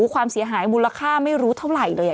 ความเสียหายมูลค่าไม่รู้เท่าไหร่เลย